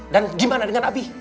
dan gimana dengan abi